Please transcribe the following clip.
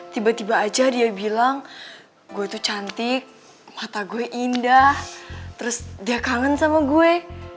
tiba tiba aja dia bilang gue tuh cantik mata gue indah terus dia kangen sama gue